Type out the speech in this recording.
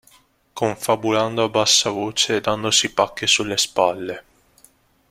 Confabulando a bassa voce e dandosi pacche sulle spalle.